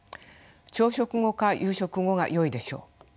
朝食後か夕食後がよいでしょう。